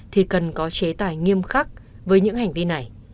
thì cần có chế tài nghiêm khắc với những hành vi này